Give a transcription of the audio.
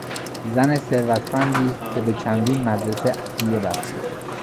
زن ثروتمندی که به چندین مدرسه عطیه بخشید.